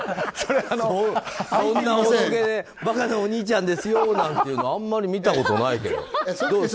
馬鹿なお兄ちゃんですよなんていうのあんまり見たことないけど。